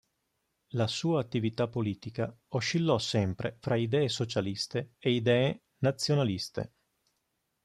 La sua attività politica oscillò sempre fra idee socialiste e idee nazionaliste.